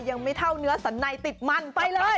ยังไม่เท่าเนื้อสันในติดมันไปเลย